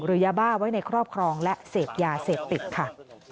ยาบ้าไว้ในครอบครองและเสพยาเสพติดค่ะ